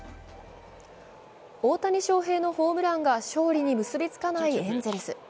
大谷翔平のホームランが勝利に結びつかないエンゼルス。